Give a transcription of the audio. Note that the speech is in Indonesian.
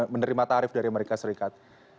menerima tarif dari amerika serikat